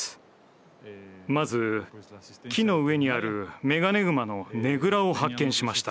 まず木の上にあるメガネグマのねぐらを発見しました。